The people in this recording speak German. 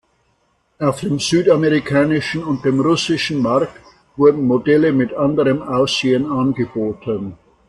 Auf dem südamerikanischen und dem russischen Markt wurden Modelle mit anderem Aussehen angeboten.